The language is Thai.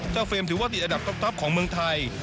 เจ้าเฟรมถือว่าติดอัดับทัพของเมืองไทย